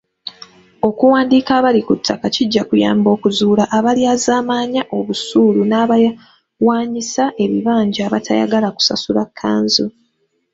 Okuwandiika abali ku ttaka kijja kuyamba okuzuula abalyazaamaanya obusuulu n'abawaanyisa ebibanja abatayagala kusasula kkanzu.